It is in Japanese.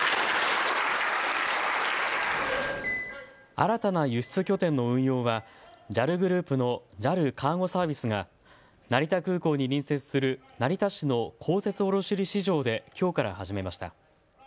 新たな輸出拠点の運用はＪＡＬグループのＪＡＬカーゴサービスが成田空港に隣接する成田市の公設卸売市場できょうから始めました。